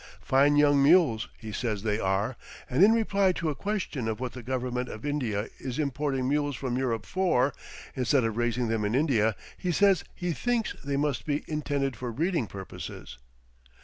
"Fine young mules," he says they are, and in reply to a question of what the government of India is importing mules from Europe for, instead of raising them in India, he says he thinks they must be intended for breeding purposes.